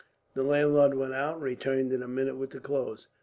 The landlord went out, and returned in a minute with the clothes.